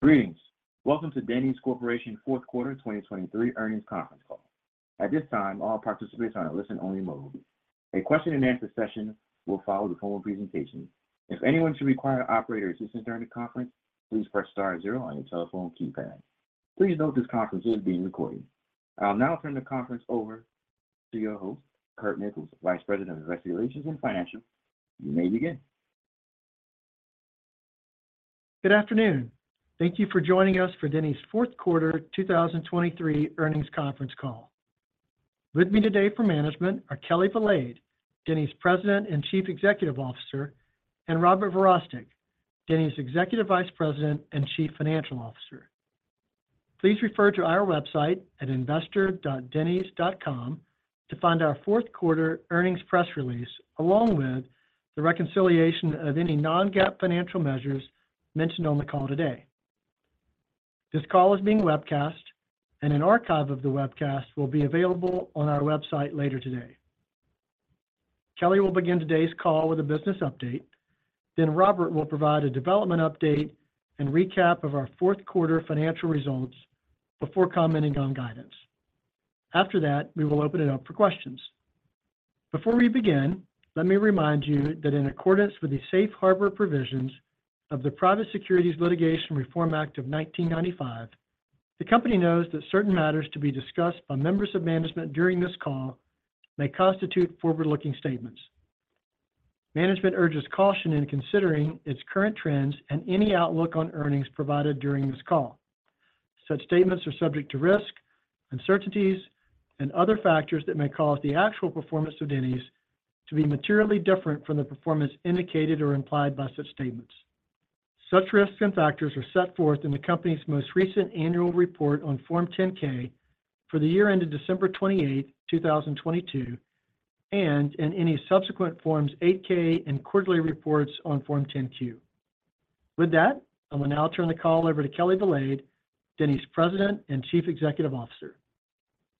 Greetings. Welcome to Denny's Corporation Fourth Quarter 2023 Earnings Conference Call. At this time, all participants are in a listen-only mode. A question-and-answer session will follow the formal presentation. If anyone should require operator assistance during the conference, please press star zero on your telephone keypad. Please note this conference is being recorded. I'll now turn the conference over to your host, Curt Nichols, Vice President of Investor Relations and Financial Analysis. You may begin. Good afternoon. Thank you for joining us for Denny's Fourth Quarter 2023 Earnings Conference Call. With me today for management are Kelli Valade, Denny's President and Chief Executive Officer, and Robert Verostek, Denny's Executive Vice President and Chief Financial Officer. Please refer to our website at investor.dennys.com to find our fourth quarter earnings press release, along with the reconciliation of any non-GAAP financial measures mentioned on the call today. This call is being webcast, and an archive of the webcast will be available on our website later today. Kelli will begin today's call with a business update, then Robert will provide a development update and recap of our fourth quarter financial results before commenting on guidance. After that, we will open it up for questions. Before we begin, let me remind you that in accordance with the safe harbor provisions of the Private Securities Litigation Reform Act of 1995, the company knows that certain matters to be discussed by members of management during this call may constitute forward-looking statements. Management urges caution in considering its current trends and any outlook on earnings provided during this call. Such statements are subject to risk, uncertainties, and other factors that may cause the actual performance of Denny's to be materially different from the performance indicated or implied by such statements. Such risks and factors are set forth in the company's most recent annual report on Form 10-K for the year ended December 28, 2022, and in any subsequent Forms 8-K and quarterly reports on Form 10-Q. With that, I will now turn the call over to Kelli Valade, Denny's President and Chief Executive Officer.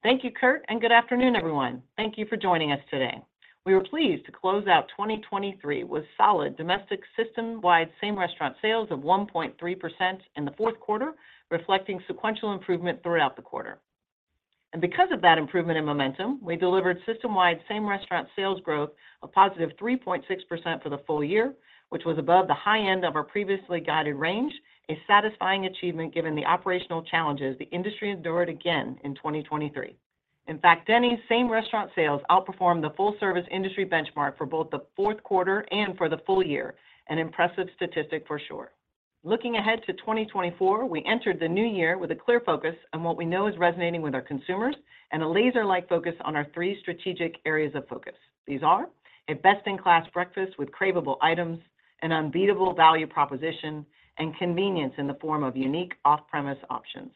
Thank you, Curt, and good afternoon, everyone. Thank you for joining us today. We were pleased to close out 2023 with solid domestic system-wide same-restaurant sales of 1.3% in the fourth quarter, reflecting sequential improvement throughout the quarter. Because of that improvement in momentum, we delivered system-wide same-restaurant sales growth of positive 3.6% for the full year, which was above the high end of our previously guided range, a satisfying achievement given the operational challenges the industry endured again in 2023. In fact, Denny's same-restaurant sales outperformed the full-service industry benchmark for both the fourth quarter and for the full year. An impressive statistic for sure. Looking ahead to 2024, we entered the new year with a clear focus on what we know is resonating with our consumers and a laser-like focus on our three strategic areas of focus. These are: a best-in-class breakfast with craveable items, an unbeatable value proposition, and convenience in the form of unique off-premise options.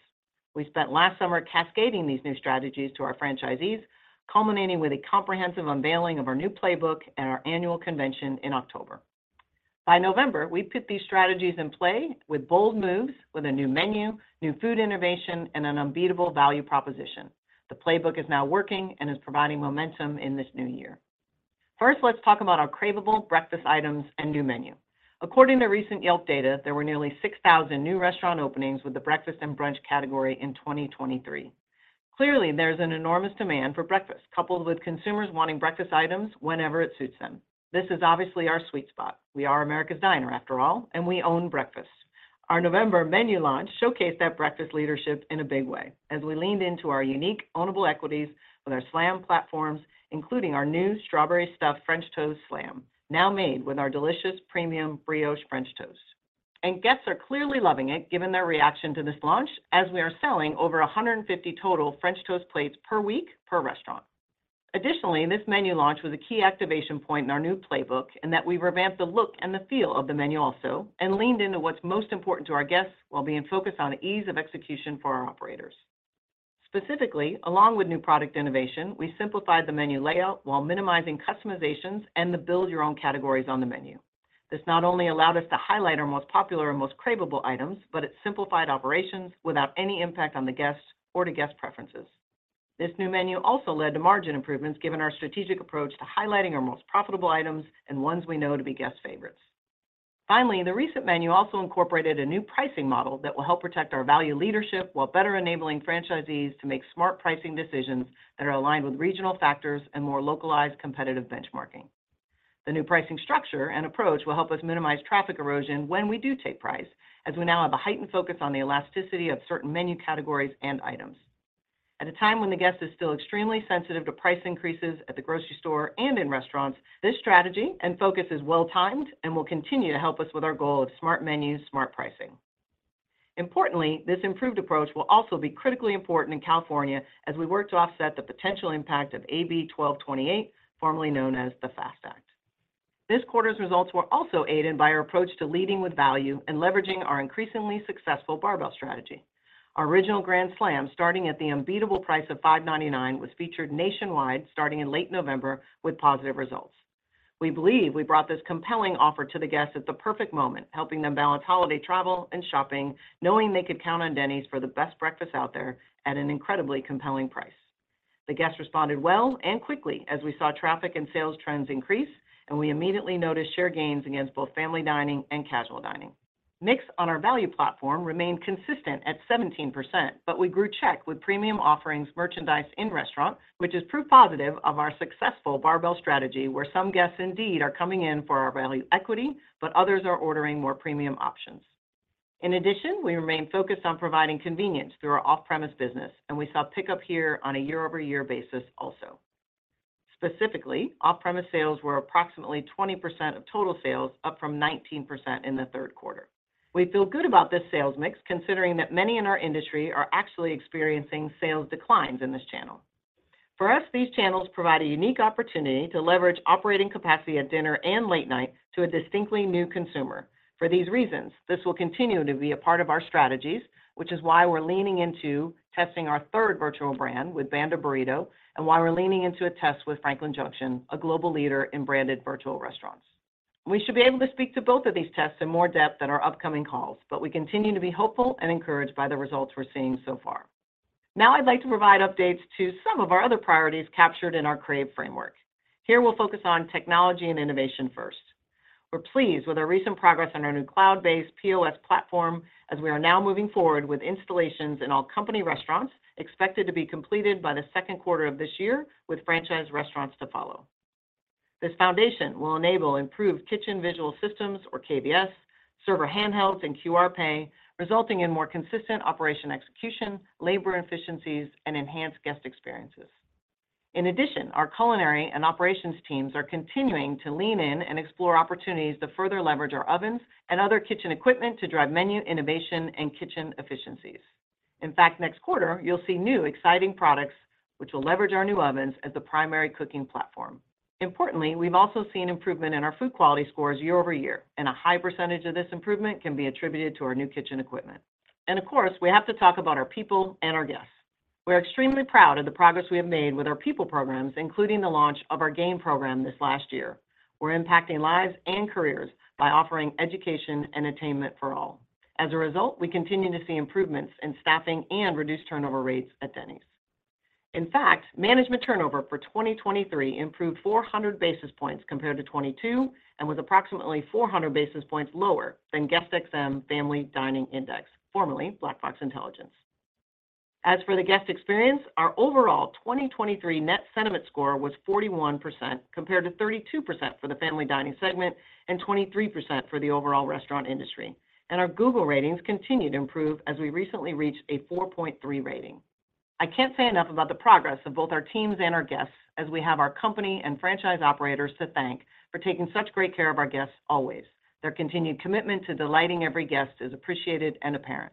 We spent last summer cascading these new strategies to our franchisees, culminating with a comprehensive unveiling of our new playbook at our annual convention in October. By November, we put these strategies in play with bold moves, with a new menu, new food innovation, and an unbeatable value proposition. The playbook is now working and is providing momentum in this new year. First, let's talk about our craveable breakfast items and new menu. According to recent Yelp data, there were nearly 6,000 new restaurant openings with the breakfast and brunch category in 2023. Clearly, there's an enormous demand for breakfast, coupled with consumers wanting breakfast items whenever it suits them. This is obviously our sweet spot. We are America's diner after all, and we own breakfast. Our November menu launch showcased that breakfast leadership in a big way, as we leaned into our unique ownable equities with our Slam platforms, including our new Strawberry Stuffed French Toast Slam, now made with our delicious premium brioche French toast. Guests are clearly loving it, given their reaction to this launch, as we are selling over 150 total French toast plates per week per restaurant. Additionally, this menu launch was a key activation point in our new playbook, and that we revamped the look and the feel of the menu also, and leaned into what's most important to our guests while being focused on ease of execution for our operators. Specifically, along with new product innovation, we simplified the menu layout while minimizing customizations and the Build Your Own categories on the menu. This not only allowed us to highlight our most popular and most craveable items, but it simplified operations without any impact on the guests or to guest preferences. This new menu also led to margin improvements, given our strategic approach to highlighting our most profitable items and ones we know to be guest favorites. Finally, the recent menu also incorporated a new pricing model that will help protect our value leadership while better enabling franchisees to make smart pricing decisions that are aligned with regional factors and more localized competitive benchmarking. The new pricing structure and approach will help us minimize traffic erosion when we do take price, as we now have a heightened focus on the elasticity of certain menu categories and items. At a time when the guest is still extremely sensitive to price increases at the grocery store and in restaurants, this strategy and focus is well-timed and will continue to help us with our goal of smart menus, smart pricing. Importantly, this improved approach will also be critically important in California as we work to offset the potential impact of AB 1228, formerly known as the FAST Act. This quarter's results were also aided by our approach to leading with value and leveraging our increasingly successful Barbell Strategy. Our Original Grand Slam, starting at the unbeatable price of $5.99, was featured nationwide starting in late November with positive results. We believe we brought this compelling offer to the guests at the perfect moment, helping them balance holiday travel and shopping, knowing they could count on Denny's for the best breakfast out there at an incredibly compelling price. The guests responded well and quickly as we saw traffic and sales trends increase, and we immediately noticed share gains against both family dining and casual dining. Mix on our value platform remained consistent at 17%, but we grew check with premium offerings merchandised in restaurants, which is proof positive of our successful Barbell Strategy, where some guests indeed are coming in for our value equity, but others are ordering more premium options. In addition, we remain focused on providing convenience through our off-premise business, and we saw pickup here on a year-over-year basis also. Specifically, off-premise sales were approximately 20% of total sales, up from 19% in the third quarter. We feel good about this sales mix, considering that many in our industry are actually experiencing sales declines in this channel. For us, these channels provide a unique opportunity to leverage operating capacity at dinner and late night to a distinctly new consumer. For these reasons, this will continue to be a part of our strategies, which is why we're leaning into testing our third virtual brand with Banda Burrito, and why we're leaning into a test with Franklin Junction, a global leader in branded virtual restaurants. We should be able to speak to both of these tests in more depth in our upcoming calls, but we continue to be hopeful and encouraged by the results we're seeing so far. Now, I'd like to provide updates to some of our other priorities captured in our Crave framework. Here, we'll focus on technology and innovation first. We're pleased with our recent progress on our new cloud-based POS platform, as we are now moving forward with installations in all company restaurants, expected to be completed by the second quarter of this year, with franchise restaurants to follow. This foundation will enable improved kitchen video systems, or KVS, server handhelds, and QR Pay, resulting in more consistent operation execution, labor efficiencies, and enhanced guest experiences. In addition, our culinary and operations teams are continuing to lean in and explore opportunities to further leverage our ovens and other kitchen equipment to drive menu innovation and kitchen efficiencies. In fact, next quarter, you'll see new exciting products which will leverage our new ovens as the primary cooking platform. Importantly, we've also seen improvement in our food quality scores year-over-year, and a high percentage of this improvement can be attributed to our new kitchen equipment. Of course, we have to talk about our people and our guests. We're extremely proud of the progress we have made with our people programs, including the launch of our GAIN program this last year. We're impacting lives and careers by offering education and attainment for all. As a result, we continue to see improvements in staffing and reduced turnover rates at Denny's. In fact, management turnover for 2023 improved 400 basis points compared to 2022, and was approximately 400 basis points lower than GuestXM Family Dining Index, formerly Black Box Intelligence. As for the guest experience, our overall 2023 net sentiment score was 41%, compared to 32% for the family dining segment and 23% for the overall restaurant industry. Our Google ratings continue to improve as we recently reached a 4.3 rating. I can't say enough about the progress of both our teams and our guests as we have our company and franchise operators to thank for taking such great care of our guests always. Their continued commitment to delighting every guest is appreciated and apparent.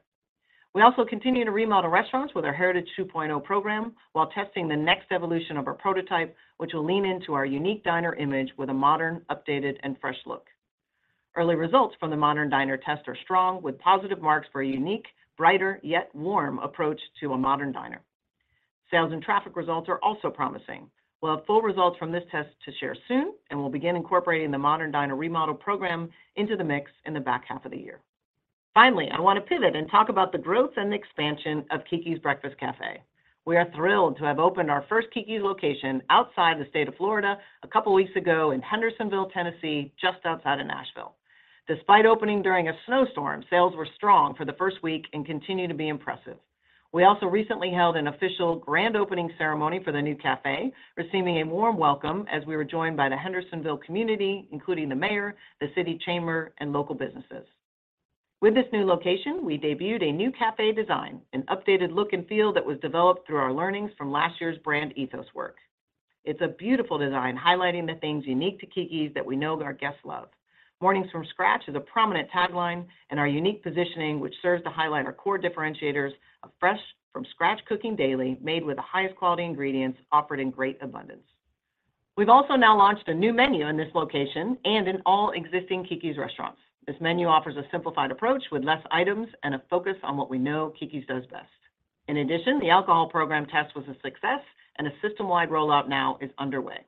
We also continue to remodel restaurants with our Heritage 2.0 program while testing the next evolution of our prototype, which will lean into our unique diner image with a modern, updated, and fresh look. Early results from the modern diner test are strong, with positive marks for a unique, brighter, yet warm approach to a modern diner. Sales and traffic results are also promising. We'll have full results from this test to share soon, and we'll begin incorporating the modern diner remodel program into the mix in the back half of the year. Finally, I want to pivot and talk about the growth and expansion of Keke's Breakfast Cafe. We are thrilled to have opened our first Keke's location outside the state of Florida a couple weeks ago in Hendersonville, Tennessee, just outside of Nashville. Despite opening during a snowstorm, sales were strong for the first week and continue to be impressive. We also recently held an official grand opening ceremony for the new cafe, receiving a warm welcome as we were joined by the Hendersonville community, including the mayor, the city chamber, and local businesses. With this new location, we debuted a new cafe design, an updated look and feel that was developed through our learnings from last year's brand ethos work. It's a beautiful design, highlighting the things unique to Keke's that we know our guests love. Mornings from Scratch is a prominent tagline and our unique positioning, which serves to highlight our core differentiators of fresh from scratch cooking daily, made with the highest quality ingredients, offered in great abundance. We've also now launched a new menu in this location and in all existing Keke's restaurants. This menu offers a simplified approach with less items and a focus on what we know Keke's does best. In addition, the alcohol program test was a success and a system-wide rollout now is underway.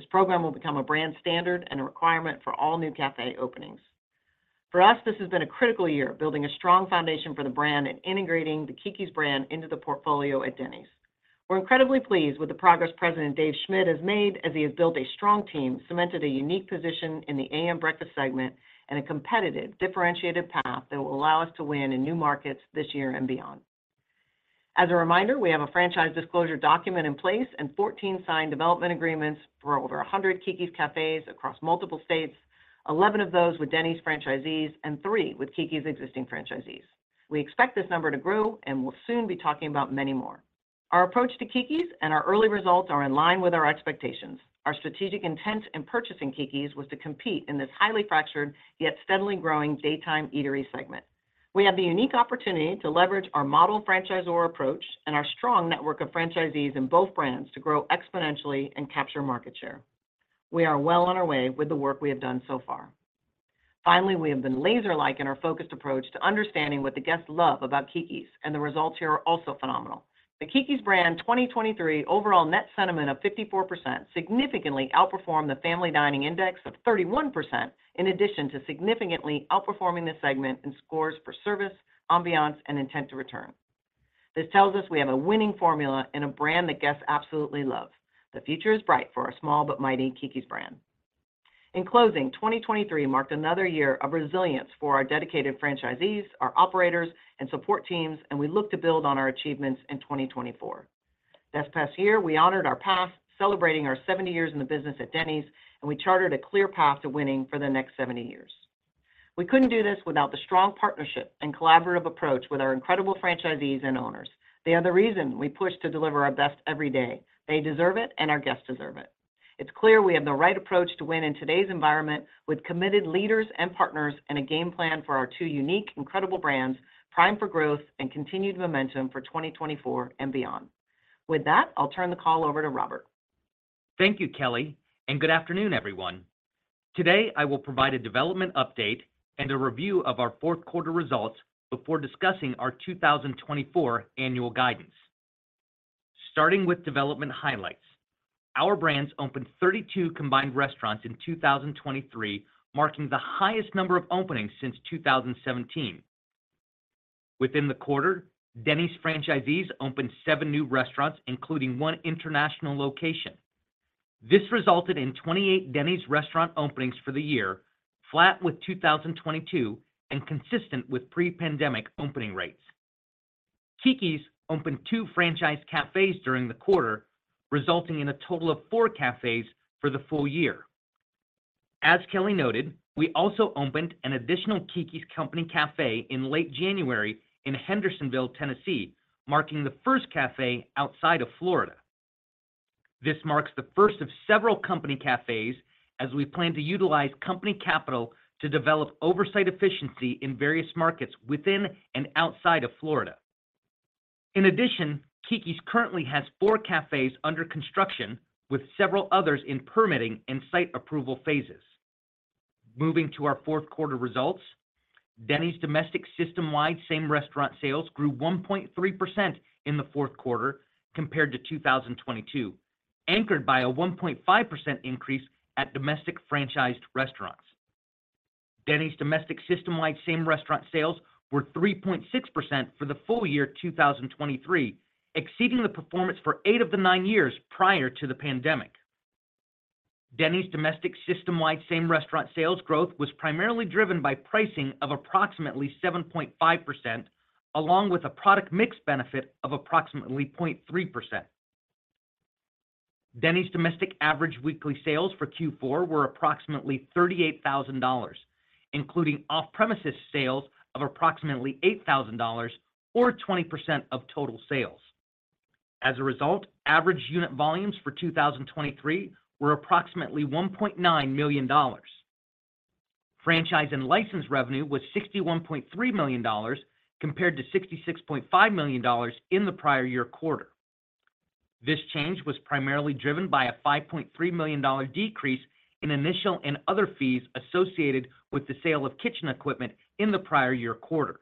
This program will become a brand standard and a requirement for all new cafe openings. For us, this has been a critical year, building a strong foundation for the brand and integrating the Keke's brand into the portfolio at Denny's. We're incredibly pleased with the progress President David Schmidt has made as he has built a strong team, cemented a unique position in the AM breakfast segment, and a competitive, differentiated path that will allow us to win in new markets this year and beyond. As a reminder, we have a franchise disclosure document in place and 14 signed development agreements for over 100 Keke's cafes across multiple states, 11 of those with Denny's franchisees and 3 with Keke's existing franchisees. We expect this number to grow and will soon be talking about many more. Our approach to Keke's and our early results are in line with our expectations. Our strategic intent in purchasing Keke's was to compete in this highly fractured, yet steadily growing daytime eatery segment. We have the unique opportunity to leverage our model franchisor approach and our strong network of franchisees in both brands to grow exponentially and capture market share. We are well on our way with the work we have done so far. Finally, we have been laser-like in our focused approach to understanding what the guests love about Keke's, and the results here are also phenomenal. The Keke's brand 2023 overall net sentiment of 54% significantly outperformed the Family Dining Index of 31%, in addition to significantly outperforming the segment in scores for service, ambiance, and intent to return. This tells us we have a winning formula and a brand that guests absolutely love. The future is bright for our small but mighty Keke's brand.... In closing, 2023 marked another year of resilience for our dedicated franchisees, our operators, and support teams, and we look to build on our achievements in 2024. This past year, we honored our past, celebrating our 70 years in the business at Denny's, and we chartered a clear path to winning for the next 70 years. We couldn't do this without the strong partnership and collaborative approach with our incredible franchisees and owners. They are the reason we push to deliver our best every day. They deserve it, and our guests deserve it. It's clear we have the right approach to win in today's environment, with committed leaders and partners, and a game plan for our two unique, incredible brands, primed for growth and continued momentum for 2024 and beyond. With that, I'll turn the call over to Robert. Thank you, Kelli, and good afternoon, everyone. Today, I will provide a development update and a review of our fourth quarter results before discussing our 2024 annual guidance. Starting with development highlights, our brands opened 32 combined restaurants in 2023, marking the highest number of openings since 2017. Within the quarter, Denny's franchisees opened 7 new restaurants, including one international location. This resulted in 28 Denny's restaurant openings for the year, flat with 2022 and consistent with pre-pandemic opening rates. Keke's opened two franchise cafes during the quarter, resulting in a total of 4 cafes for the full year. As Kelli noted, we also opened an additional Keke's company cafe in late January in Hendersonville, Tennessee, marking the first cafe outside of Florida. This marks the first of several company cafes as we plan to utilize company capital to develop oversight efficiency in various markets within and outside of Florida. In addition, Keke's currently has four cafes under construction, with several others in permitting and site approval phases. Moving to our fourth quarter results, Denny's domestic system-wide same restaurant sales grew 1.3% in the fourth quarter compared to 2022, anchored by a 1.5% increase at domestic franchised restaurants. Denny's domestic system-wide same-restaurant sales were 3.6% for the full year 2023, exceeding the performance for eight of the nine years prior to the pandemic. Denny's domestic system-wide same-restaurant sales growth was primarily driven by pricing of approximately 7.5%, along with a product mix benefit of approximately 0.3%. Denny's domestic average weekly sales for Q4 were approximately $38,000, including off-premises sales of approximately $8,000 or 20% of total sales. As a result, average unit volumes for 2023 were approximately $1.9 million. Franchise and license revenue was $61.3 million, compared to $66.5 million in the prior year quarter. This change was primarily driven by a $5.3 million decrease in initial and other fees associated with the sale of kitchen equipment in the prior year quarter.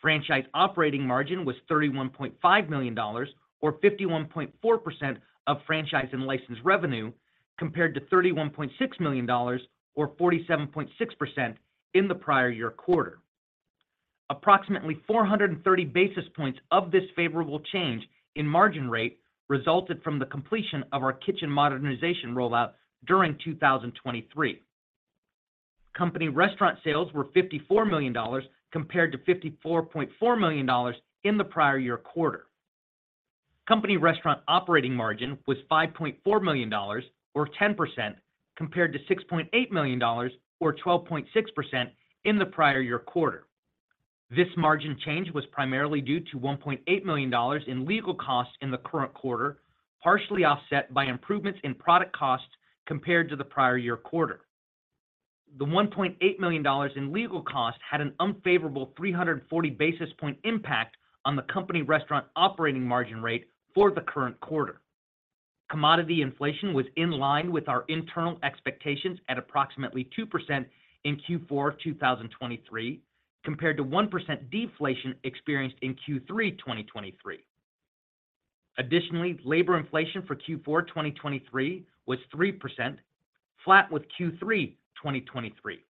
Franchise operating margin was $31.5 million or 51.4% of franchise and license revenue, compared to $31.6 million or 47.6% in the prior year quarter. Approximately 430 basis points of this favorable change in margin rate resulted from the completion of our kitchen modernization rollout during 2023. Company restaurant sales were $54 million, compared to $54.4 million in the prior year quarter. Company restaurant operating margin was $5.4 million or 10%, compared to $6.8 million or 12.6% in the prior year quarter. This margin change was primarily due to $1.8 million in legal costs in the current quarter, partially offset by improvements in product costs compared to the prior year quarter. The $1.8 million in legal costs had an unfavorable 340 basis point impact on the company restaurant operating margin rate for the current quarter. Commodity inflation was in line with our internal expectations at approximately 2% in Q4 2023, compared to 1% deflation experienced in Q3 2023. Additionally, labor inflation for Q4 2023 was 3%, flat with Q3 2023.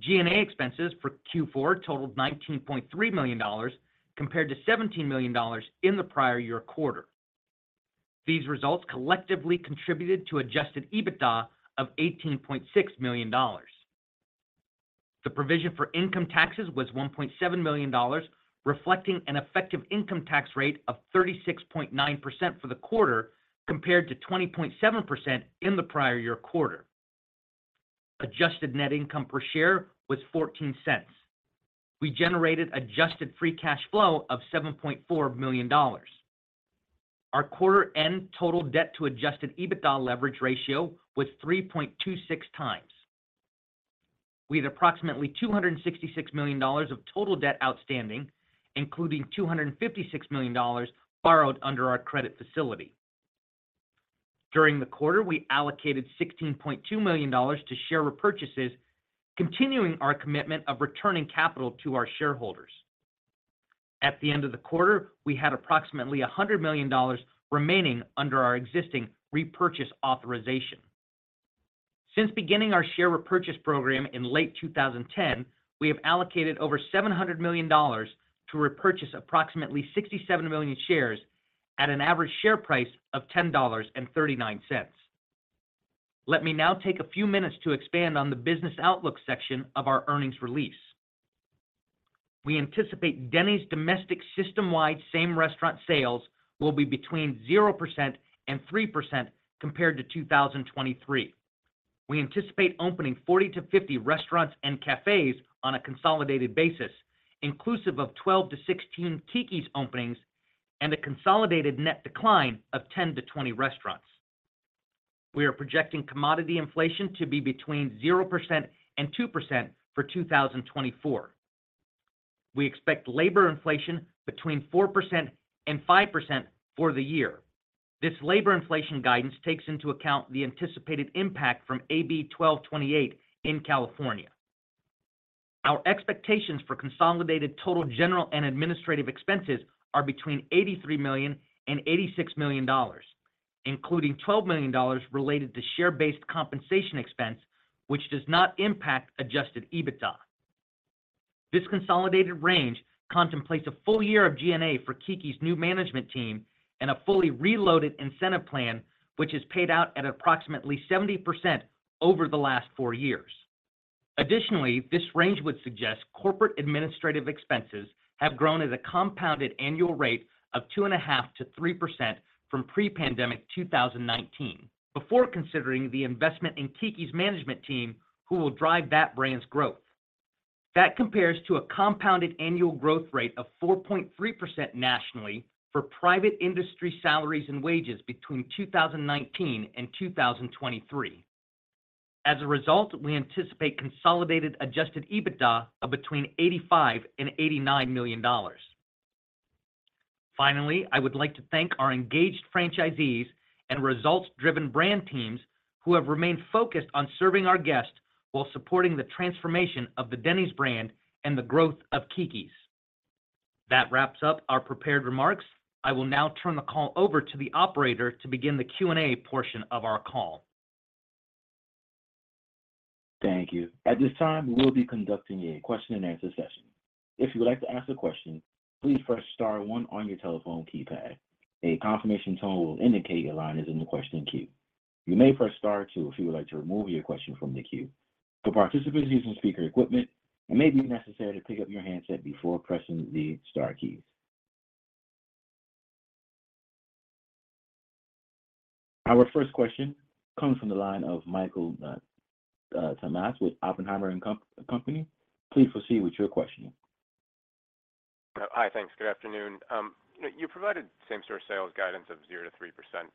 G&A expenses for Q4 totaled $19.3 million, compared to $17 million in the prior year quarter. These results collectively contributed to adjusted EBITDA of $18.6 million. The provision for income taxes was $1.7 million, reflecting an effective income tax rate of 36.9% for the quarter, compared to 20.7% in the prior year quarter. Adjusted net income per share was $0.14. We generated adjusted free cash flow of $7.4 million. Our quarter end total debt to adjusted EBITDA leverage ratio was 3.26x. We had approximately $266 million of total debt outstanding, including $256 million borrowed under our credit facility. During the quarter, we allocated $16.2 million to share repurchases, continuing our commitment of returning capital to our shareholders. At the end of the quarter, we had approximately $100 million remaining under our existing repurchase authorization.... Since beginning our share repurchase program in late 2010, we have allocated over $700 million to repurchase approximately 67 million shares at an average share price of $10.39. Let me now take a few minutes to expand on the business outlook section of our earnings release. We anticipate Denny's domestic system-wide same restaurant sales will be between 0% and 3% compared to 2023. We anticipate opening 40-50 restaurants and cafes on a consolidated basis, inclusive of 12-16 Keke's openings and a consolidated net decline of 10-20 restaurants. We are projecting commodity inflation to be between 0% and 2% for 2024. We expect labor inflation between 4% and 5% for the year. This labor inflation guidance takes into account the anticipated impact from AB 1228 in California. Our expectations for consolidated total general and administrative expenses are between $83 million and $86 million, including $12 million related to share-based compensation expense, which does not impact Adjusted EBITDA. This consolidated range contemplates a full year of G&A for Keke's new management team and a fully reloaded incentive plan, which is paid out at approximately 70% over the last four years. Additionally, this range would suggest corporate administrative expenses have grown at a compounded annual rate of 2.5%-3% from pre-pandemic 2019, before considering the investment in Keke's management team, who will drive that brand's growth. That compares to a compounded annual growth rate of 4.3% nationally for private industry salaries and wages between 2019 and 2023. As a result, we anticipate consolidated adjusted EBITDA of between $85 million and $89 million. Finally, I would like to thank our engaged franchisees and results-driven brand teams who have remained focused on serving our guests while supporting the transformation of the Denny's brand and the growth of Keke's. That wraps up our prepared remarks. I will now turn the call over to the operator to begin the Q&A portion of our call. Thank you. At this time, we will be conducting a question-and-answer session. If you would like to ask a question, please press star one on your telephone keypad. A confirmation tone will indicate your line is in the question queue. You may press star two if you would like to remove your question from the queue. For participants using speaker equipment, it may be necessary to pick up your handset before pressing the star keys. Our first question comes from the line of Michael Tamas with Oppenheimer and Company. Please proceed with your question. Hi, thanks. Good afternoon. You know, you provided same-store sales guidance of 0%-3%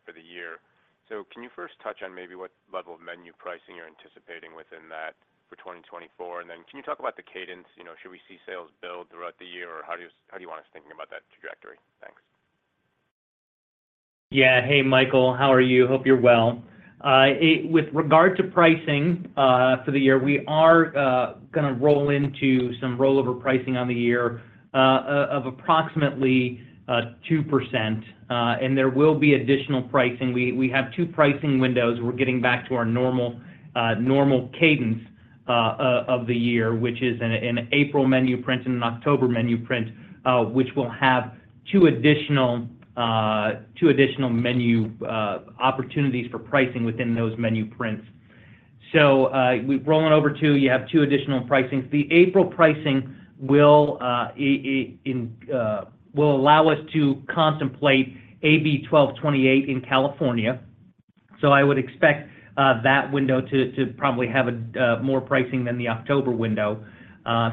for the year. So can you first touch on maybe what level of menu pricing you're anticipating within that for 2024? And then can you talk about the cadence? You know, should we see sales build throughout the year, or how do you, how do you want us thinking about that trajectory? Thanks. Yeah. Hey, Michael, how are you? Hope you're well. With regard to pricing, for the year, we are going to roll into some rollover pricing on the year of approximately 2%, and there will be additional pricing. We have two pricing windows. We're getting back to our normal cadence of the year, which is an April menu print and an October menu print, which will have two additional menu opportunities for pricing within those menu prints. So, we're rolling over two, you have two additional pricings. The April pricing will allow us to contemplate AB 1228 in California. So I would expect that window to probably have more pricing than the October window.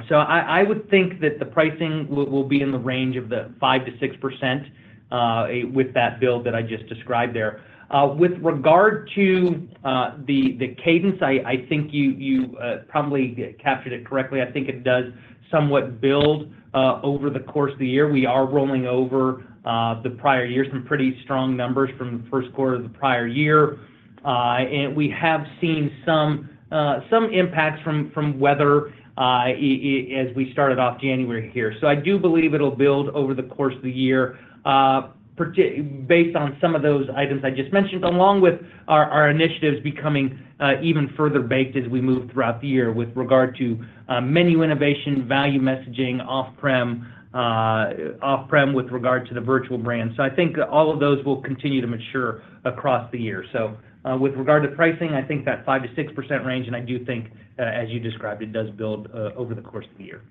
So I would think that the pricing will be in the range of 5%-6%, with that build that I just described there. With regard to the cadence, I think you probably captured it correctly. I think it does somewhat build over the course of the year. We are rolling over the prior year, some pretty strong numbers from the first quarter of the prior year. And we have seen some impacts from weather, as we started off January here. So I do believe it'll build over the course of the year, based on some of those items I just mentioned, along with our initiatives becoming even further baked as we move throughout the year with regard to menu innovation, value messaging, off-prem, off-prem with regard to the virtual brand. So I think all of those will continue to mature across the year. So, with regard to pricing, I think that 5%-6% range, and I do think, as you described, it does build over the course of the year.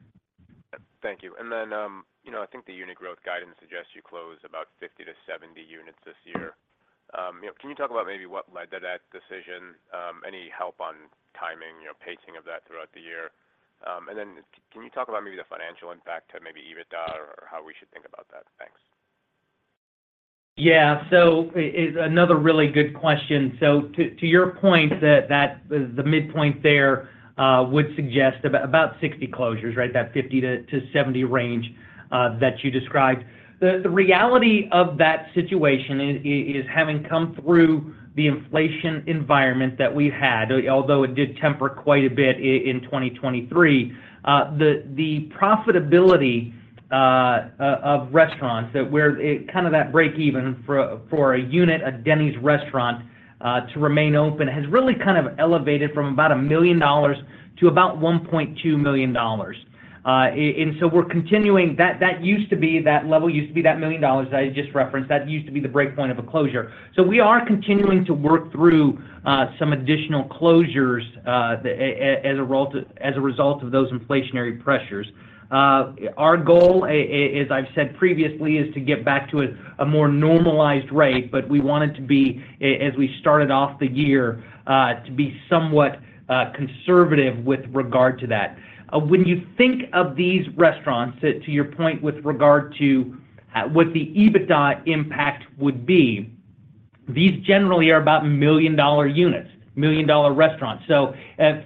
Thank you. And then, you know, I think the unit growth guidance suggests you close about 50-70 units this year. Can you talk about maybe what led to that decision? Any help on timing, you know, pacing of that throughout the year? And then can you talk about maybe the financial impact to maybe EBITDA or how we should think about that? Thanks. Yeah. So it's another really good question. So to your point, that the midpoint there would suggest about 60 closures, right? That 50-70 range that you described. The reality of that situation is having come through the inflation environment that we've had, although it did temper quite a bit in 2023, the profitability of restaurants where it kind of that breakeven for a unit, a Denny's restaurant, to remain open, has really kind of elevated from about $1 million to about $1.2 million. And so we're continuing. That used to be, that level used to be that $1 million that I just referenced, that used to be the break point of a closure. So we are continuing to work through some additional closures as a result of those inflationary pressures. Our goal, as I've said previously, is to get back to a more normalized rate, but we wanted to be, as we started off the year, to be somewhat conservative with regard to that. When you think of these restaurants, to your point with regard to what the EBITDA impact would be, these generally are about million-dollar units, million-dollar restaurants. So at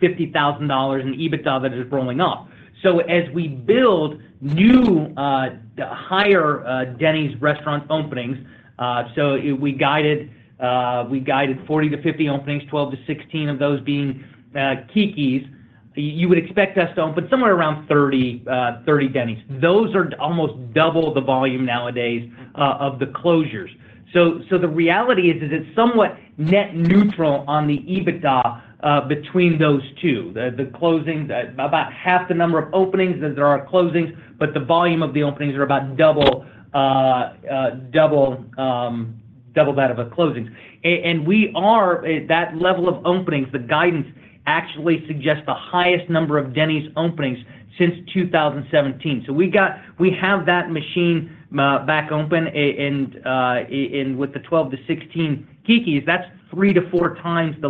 $40,000-$50,000 in EBITDA, that is rolling off. So as we build new higher Denny's restaurant openings, so we guided 40-50 openings, 12-16 of those being Keke's. You would expect us to open somewhere around 30 Denny's. Those are almost double the volume nowadays of the closures. So the reality is it's somewhat net neutral on the EBITDA between those two. The closings about half the number of openings as there are closings, but the volume of the openings are about double that of the closings. And we are at that level of openings, the guidance actually suggests the highest number of Denny's openings since 2017. So we have that machine back open and with the 12-16 Keke's, that's 3-4 times the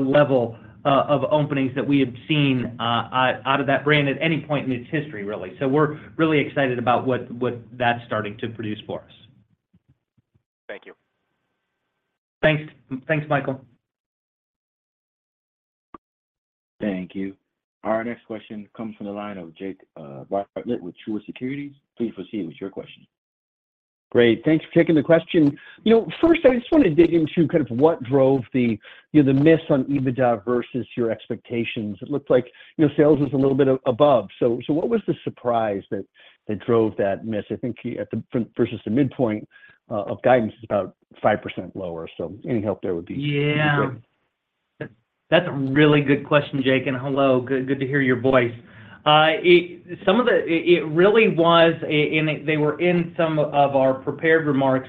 level of openings that we have seen out of that brand at any point in its history, really. So we're really excited about what that's starting to produce for us. Thank you. Thanks. Thanks, Michael. Thank you. Our next question comes from the line of Jake Bartlett with Truist Securities. Please proceed with your question. Great. Thanks for taking the question. You know, first, I just want to dig into kind of what drove the, you know, the miss on EBITDA versus your expectations. It looked like, you know, sales was a little bit above. So, so what was the surprise that, that drove that miss? I think at the versus the midpoint of guidance is about 5% lower. So any help there would be- Yeah. That's a really good question, Jake, and hello, good to hear your voice. It really was, and they were in some of our prepared remarks,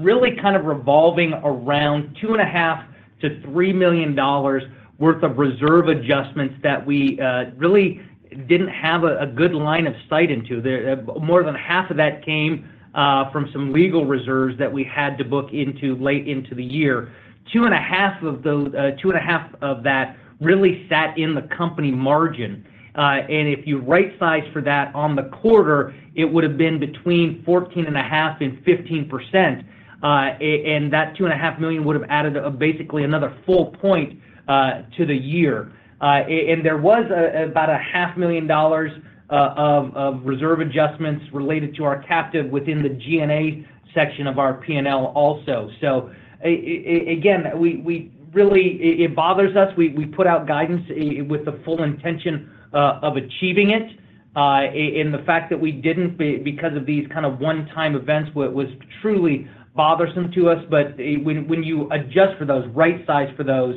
really kind of revolving around $2.5-$3 million worth of reserve adjustments that we really didn't have a good line of sight into. More than half of that came from some legal reserves that we had to book into late into the year. $2.5 million of that really sat in the company margin. And if you right-size for that on the quarter, it would have been between 14.5% and 15%. And that $2.5 million would have added basically another full point to the year. And there was about $500,000 of reserve adjustments related to our captive within the G&A section of our P&L also. So again, we really, it bothers us. We put out guidance with the full intention of achieving it. And the fact that we didn't because of these kind of one-time events was truly bothersome to us. But when you adjust for those, right size for those,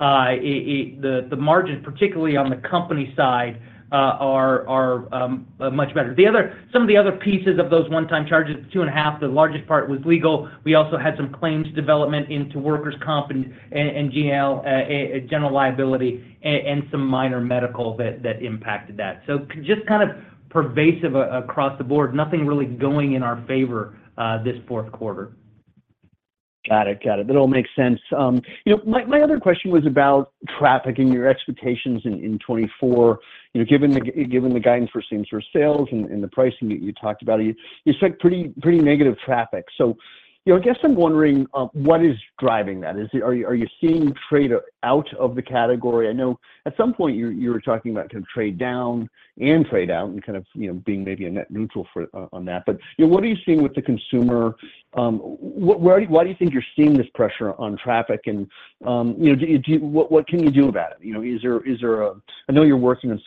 it, the margins, particularly on the company side, are much better. The other, some of the other pieces of those one-time charges, $2.5 million, the largest part was legal. We also had some claims development into workers' comp and GL, general liability, and some minor medical that impacted that. So just kind of pervasive across the board, nothing really going in our favor, this fourth quarter. Got it. Got it. That all makes sense. You know, my other question was about traffic and your expectations in 2024. You know, given the guidance for same-store sales and the pricing that you talked about, it's, like, pretty negative traffic. So, you know, I guess I'm wondering what is driving that? Is it—are you seeing trade out of the category? I know at some point you were talking about kind of trade down and trade out and kind of, you know, being maybe a net neutral for on that. But, you know, what are you seeing with the consumer? What, why do you think you're seeing this pressure on traffic? And, you know, do you—what can you do about it? You know, is there a—I know you're working on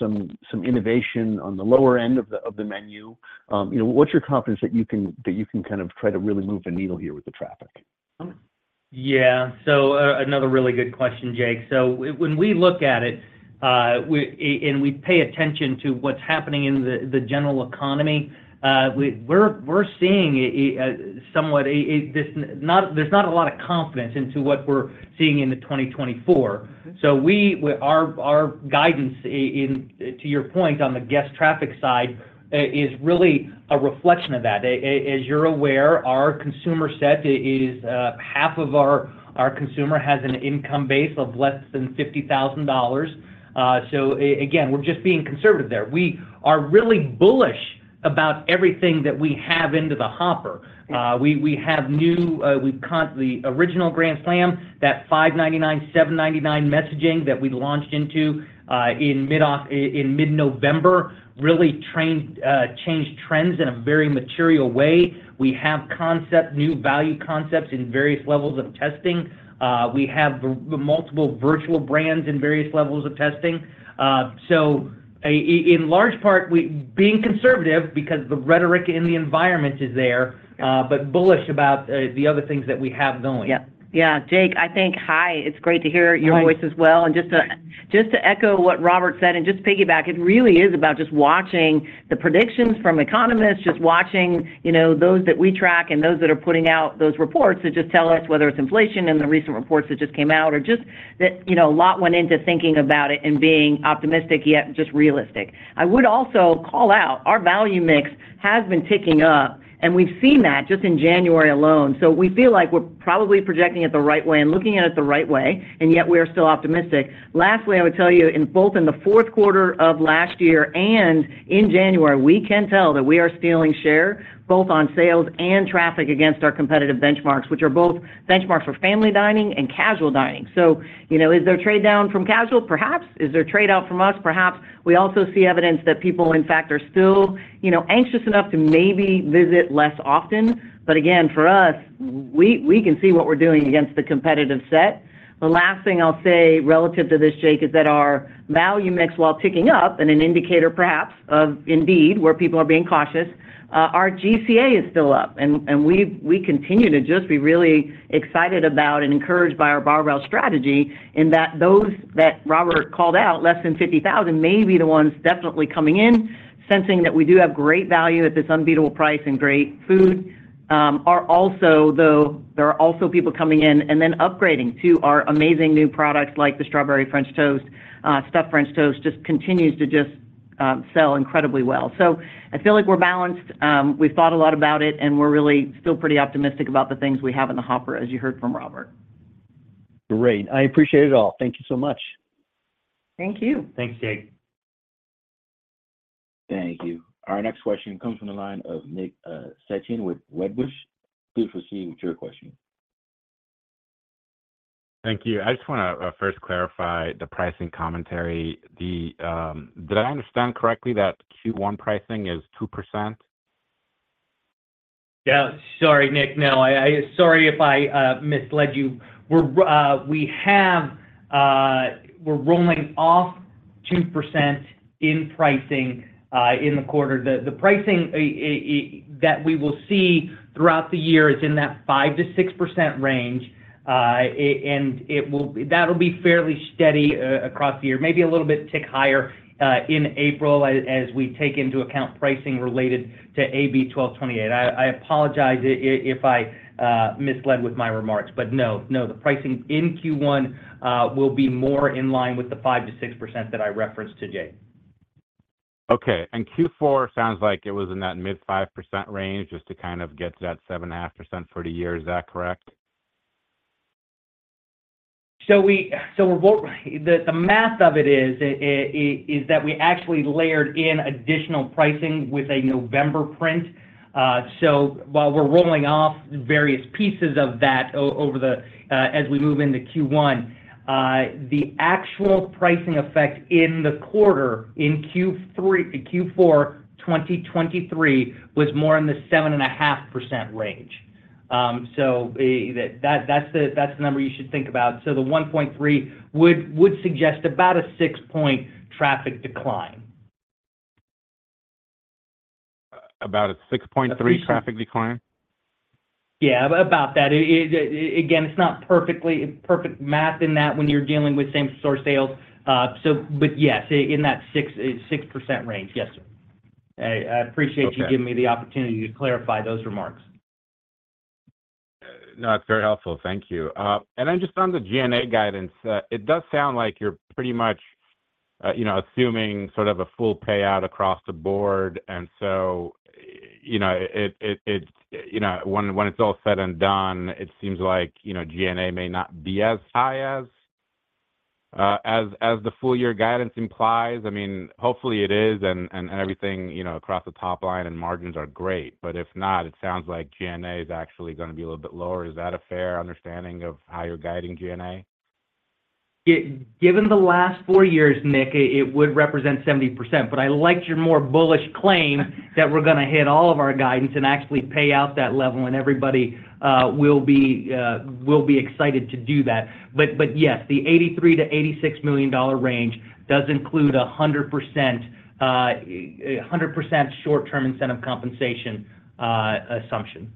some innovation on the lower end of the menu. You know, what's your confidence that you can kind of try to really move the needle here with the traffic? Yeah. So, another really good question, Jake. So when we look at it, and we pay attention to what's happening in the general economy, we're seeing somewhat. There's not a lot of confidence into what we're seeing into 2024. So our guidance, in to your point on the guest traffic side, is really a reflection of that. As you're aware, our consumer set is half of our consumer has an income base of less than $50,000. So again, we're just being conservative there. We are really bullish about everything that we have into the hopper. We have new, we've caught the original Grand Slam, that $5.99, $7.99 messaging that we launched into in mid-November, really trained, changed trends in a very material way. We have concept, new value concepts in various levels of testing. We have multiple virtual brands in various levels of testing. So... In large part, we being conservative because the rhetoric in the environment is there, but bullish about the other things that we have going. Yeah. Yeah, Jake, I think, hi, it's great to hear your voice- Hi As well. And just to, just to echo what Robert said, and just piggyback, it really is about just watching the predictions from economists, just watching, you know, those that we track and those that are putting out those reports that just tell us whether it's inflation and the recent reports that just came out, or just that, you know, a lot went into thinking about it and being optimistic, yet just realistic. I would also call out, our value mix has been ticking up, and we've seen that just in January alone. So we feel like we're probably projecting it the right way and looking at it the right way, and yet we are still optimistic. Lastly, I would tell you, in both the fourth quarter of last year and in January, we can tell that we are stealing share, both on sales and traffic, against our competitive benchmarks, which are both benchmarks for family dining and casual dining. So, you know, is there trade down from casual? Perhaps. Is there trade out from us? Perhaps. We also see evidence that people, in fact, are still, you know, anxious enough to maybe visit less often. But again, for us, we can see what we're doing against the competitive set. The last thing I'll say relative to this, Jake, is that our value mix, while ticking up and an indicator perhaps of indeed where people are being cautious, our GCA is still up, and we continue to just be really excited about and encouraged by our Barbell strategy, in that those that Robert called out, less than $50,000, may be the ones definitely coming in, sensing that we do have great value at this unbeatable price and great food. Are also though, there are also people coming in and then upgrading to our amazing new products, like the Strawberry Stuffed French Toast, just continues to sell incredibly well. So I feel like we're balanced. We've thought a lot about it, and we're really still pretty optimistic about the things we have in the hopper, as you heard from Robert. Great. I appreciate it all. Thank you so much. Thank you. Thanks, Jake. Thank you. Our next question comes from the line of Nick Setyan with Wedbush. Please proceed with your question. Thank you. I just wanna first clarify the pricing commentary. Did I understand correctly that Q1 pricing is 2%? Yeah, sorry, Nick. No, sorry if I misled you. We're rolling off 2% in pricing in the quarter. The pricing that we will see throughout the year is in that 5%-6% range, and that will be fairly steady across the year, maybe a little bit tick higher in April as we take into account pricing related to AB 1228. I apologize if I misled with my remarks, but no, the pricing in Q1 will be more in line with the 5%-6% that I referenced to Jake. Okay. And Q4 sounds like it was in that mid-5% range, just to kind of get to that 7.5% for the year. Is that correct? The math of it is that we actually layered in additional pricing with a November print. So while we're rolling off various pieces of that as we move into Q1, the actual pricing effect in the quarter, in Q3, Q4 2023, was more in the 7.5% range. So that's the number you should think about. So the 1.3 would suggest about a six-point traffic decline. About a 6.3 traffic decline? Yeah, about that. It again, it's not perfectly perfect math in that when you're dealing with same store sales. So, but yes, in that 6% range. Yes, sir. I appreciate You giving me the opportunity to clarify those remarks. No, it's very helpful. Thank you. And then just on the G&A guidance, it does sound like you're pretty much, you know, assuming sort of a full payout across the board, and so, you know, it, it, it's, you know, when, when it's all said and done, it seems like, you know, G&A may not be as high as, as, as the full year guidance implies. I mean, hopefully it is, and, and everything, you know, across the top line and margins are great, but if not, it sounds like G&A is actually gonna be a little bit lower. Is that a fair understanding of how you're guiding G&A? Given the last four years, Nick, it would represent 70%, but I liked your more bullish claim that we're gonna hit all of our guidance and actually pay out that level, and everybody will be excited to do that. But yes, the $83 million-$86 million range does include a 100% short-term incentive compensation assumption.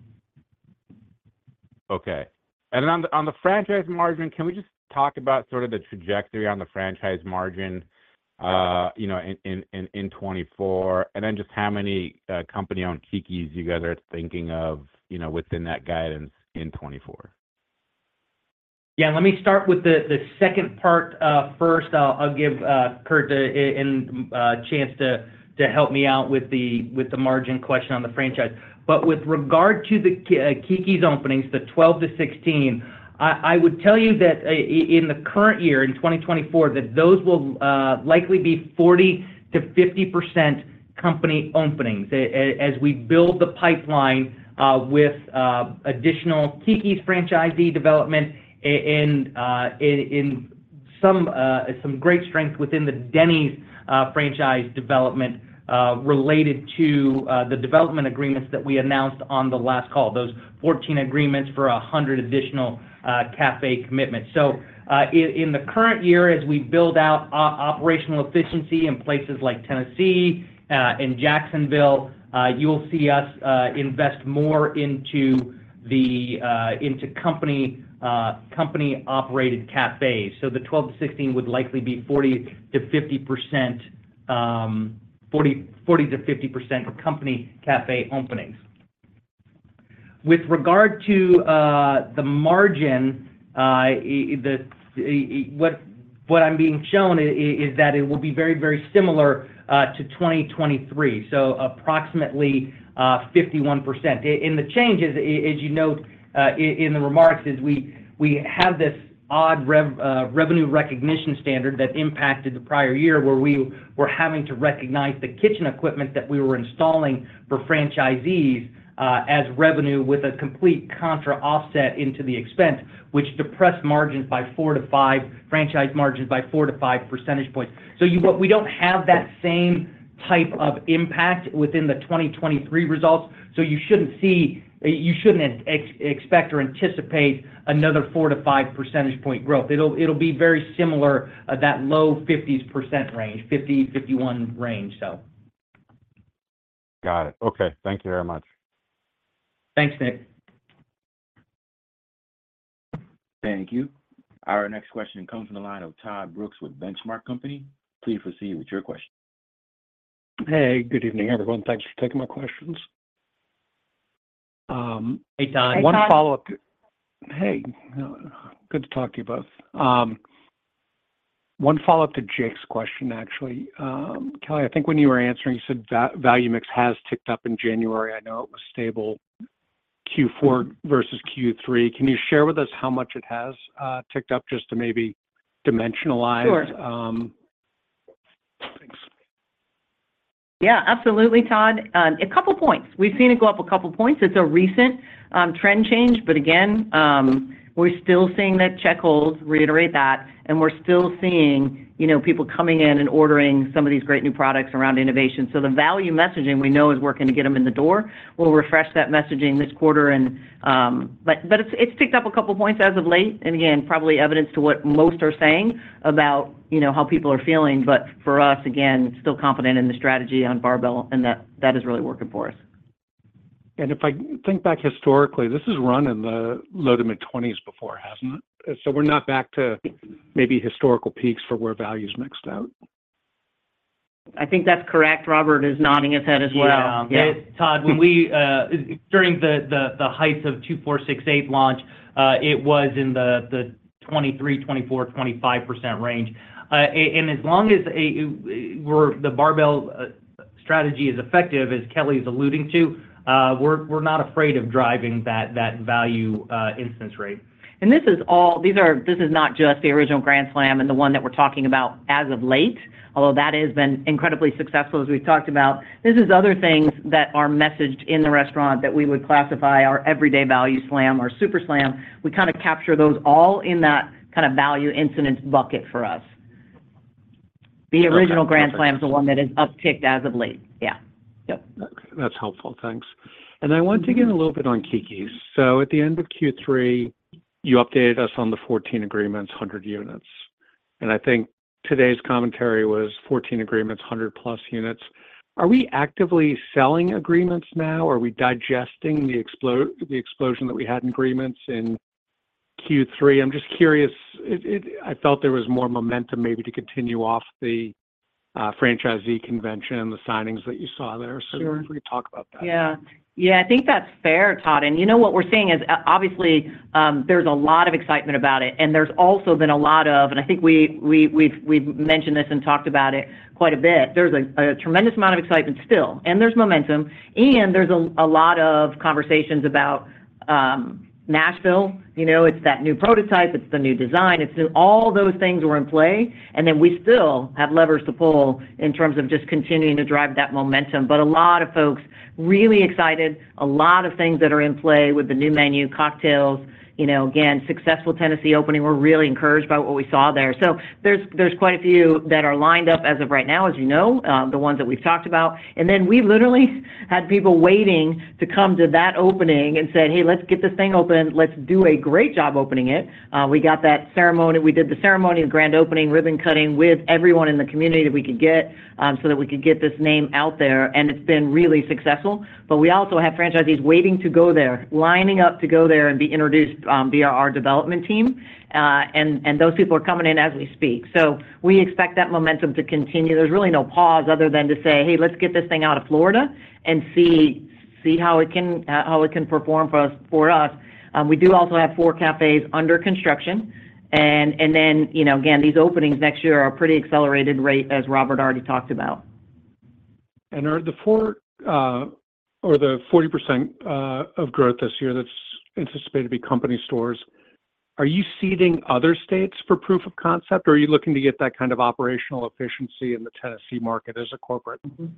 Okay. And on the franchise margin, can we just talk about sort of the trajectory on the franchise margin, you know, in 2024, and then just how many company-owned Keke's you guys are thinking of, you know, within that guidance in 2024? Yeah, let me start with the second part first. I'll give Curt a chance to help me out with the margin question on the franchise. But with regard to the Keke's openings, the 12-16, I would tell you that in the current year, in 2024, that those will likely be 40%-50% company openings. As we build the pipeline with additional Keke's franchisee development in some great strength within the Denny's franchise development related to the development agreements that we announced on the last call, those 14 agreements for 100 additional cafe commitments. So, in the current year, as we build out operational efficiency in places like Tennessee, in Jacksonville, you'll see us invest more into company-operated cafes. So the 12-16 would likely be 40%-50%, 40%-50% of company cafe openings. With regard to the margin, what I'm being shown is that it will be very, very similar to 2023, so approximately 51%. And the changes as you note, in the remarks, is we, we have this odd revenue recognition standard that impacted the prior year, where we were having to recognize the kitchen equipment that we were installing for franchisees, as revenue with a complete contra offset into the expense, which depressed margins by 4-5 franchise margins by 4-5 percentage points. So but we don't have that same type of impact within the 2023 results, so you shouldn't see, you shouldn't expect or anticipate another 4-5 percentage point growth. It'll be very similar, that low 50s% range, 50, 51 range, so. Got it. Okay. Thank you very much. Thanks, Nick. Thank you. Our next question comes from the line of Todd Brooks with Benchmark Company. Please proceed with your question. Hey, good evening, everyone. Thanks for taking my questions. Hey, Todd. Hey, Todd. One follow-up... Hey, good to talk to you both. One follow-up to Jake's question, actually. Kelli, I think when you were answering, you said value mix has ticked up in January. I know it was stable Q4 versus Q3. Can you share with us how much it has ticked up just to maybe dimensionalize...? Sure. Thanks. Yeah, absolutely, Todd. A couple points. We've seen it go up a couple points. It's a recent trend change, but again, we're still seeing that check hold, reiterate that, and we're still seeing, you know, people coming in and ordering some of these great new products around innovation. So the value messaging we know is working to get them in the door. We'll refresh that messaging this quarter and... But it's ticked up a couple points as of late, and again, probably evidence to what most are saying about, you know, how people are feeling. But for us, again, still confident in the strategy on barbell, and that is really working for us. If I think back historically, this has run in the low to mid-20s before, hasn't it? We're not back to maybe historical peaks for where value's mixed out. I think that's correct. Robert is nodding his head as well. Yeah. Yeah. Todd, when we during the heights of the 2-4-6-8 launch, it was in the 23%-25% range. And as long as the barbell strategy is effective, as Kelli's alluding to, we're not afraid of driving that value instance rate. These are, this is not just the Original Grand Slam and the one that we're talking about as of late, although that has been incredibly successful, as we've talked about. This is other things that are messaged in the restaurant that we would classify our Everyday Value Slam or Super Slam. We kinda capture those all in that kind of value incidence bucket for us. Okay. The Original Grand Slam is the one that is upticked as of late. Yeah. Yep. Okay, that's helpful. Thanks. I want to get a little bit on Keke's. So at the end of Q3, you updated us on the 14 agreements, 100 units, and I think today's commentary was 14 agreements, 100+ units. Are we actively selling agreements now? Are we digesting the explosion that we had in agreements in Q3? I'm just curious. I felt there was more momentum maybe to continue off the franchisee convention and the signings that you saw there. Sure. So could you talk about that? Yeah. Yeah, I think that's fair, Todd. And, you know, what we're seeing is obviously there's a lot of excitement about it, and there's also been a lot of... And I think we've mentioned this and talked about it quite a bit. There's a tremendous amount of excitement still, and there's momentum, and there's a lot of conversations about Nashville. You know, it's that new prototype, it's the new design, it's the-- all those things were in play, and then we still have levers to pull in terms of just continuing to drive that momentum. But a lot of folks, really excited, a lot of things that are in play with the new menu, cocktails, you know, again, successful Tennessee opening. We're really encouraged by what we saw there. So there's quite a few that are lined up as of right now, as you know, the ones that we've talked about. And then we literally had people waiting to come to that opening and said: "Hey, let's get this thing open. Let's do a great job opening it." We got that ceremony. We did the ceremony, the grand opening, ribbon cutting with everyone in the community that we could get, so that we could get this name out there, and it's been really successful. But we also have franchisees waiting to go there, lining up to go there and be introduced via our development team, and those people are coming in as we speak. So we expect that momentum to continue. There's really no pause other than to say, "Hey, let's get this thing out of Florida and see how it can perform for us." We also have 4 cafes under construction, and then, you know, again, these openings next year are pretty accelerated rate, as Robert already talked about. Are the 4 or the 40% of growth this year that's anticipated to be company stores, are you seeding other states for proof of concept, or are you looking to get that kind of operational efficiency in the Tennessee market as a corporate-market?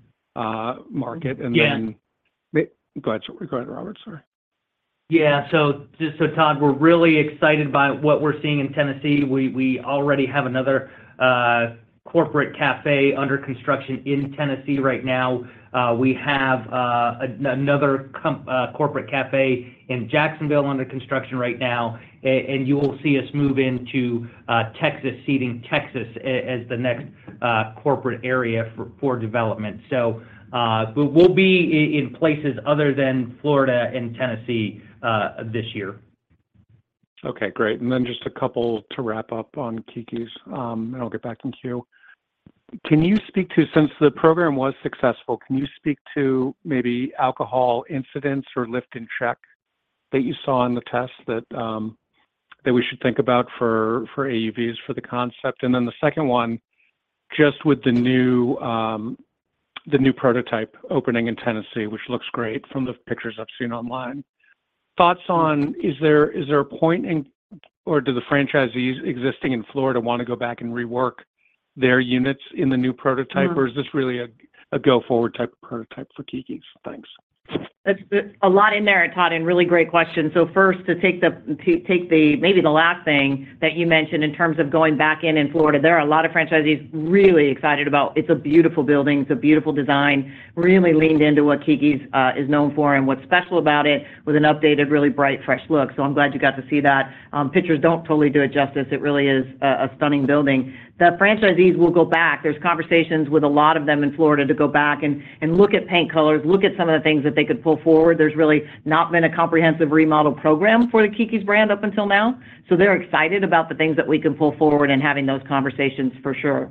Yeah. And then, May— Go ahead. Go ahead, Robert, sorry. Yeah, so just so Todd, we're really excited by what we're seeing in Tennessee. We already have another corporate cafe under construction in Tennessee right now. We have another corporate cafe in Jacksonville under construction right now. And you will see us move into Texas, seeing Texas as the next corporate area for development. So, but we'll be in places other than Florida and Tennessee this year. Okay, great. And then just a couple to wrap up on Keke's, and I'll get back in queue. Can you speak to—since the program was successful, can you speak to maybe alcohol incidence or lift in check that you saw in the test that, that we should think about for, for AUVs, for the concept? And then the second one, just with the new, the new prototype opening in Tennessee, which looks great from the pictures I've seen online. Thoughts on, is there, is there a point in, or do the franchisees existing in Florida want to go back and rework their units in the new prototype Or is this really a go-forward type of prototype for Keke's? Thanks. That's a lot in there, Todd, and really great questions. So first, to take maybe the last thing that you mentioned in terms of going back in Florida, there are a lot of franchisees really excited about... It's a beautiful building. It's a beautiful design, really leaned into what Keke's is known for and what's special about it with an updated, really bright, fresh look. So I'm glad you got to see that. Pictures don't totally do it justice. It really is a stunning building. The franchisees will go back. There's conversations with a lot of them in Florida to go back and look at paint colors, look at some of the things that they could pull forward. There's really not been a comprehensive remodel program for the Keke's brand up until now. So they're excited about the things that we can pull forward and having those conversations for sure.